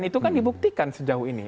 itu kan dibuktikan sejauh ini